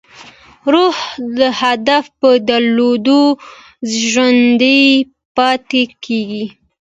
روح د هدف په درلودو ژوندی پاتې کېږي.